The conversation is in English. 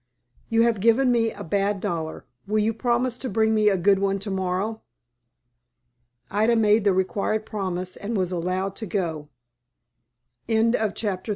"You have given me a bad dollar. Will you promise to bring me a good one to morrow?" Ida made the required promise, and was allowed to go. CHAPTER XIV. DOUBTS AND FEARS.